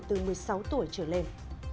tuổi trở lên